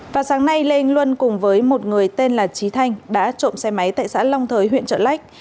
vào sáng nay lê anh luân cùng với một người tên là trí thanh đã trộm xe máy tại xã long thới huyện trợ lách